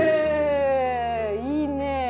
いいね。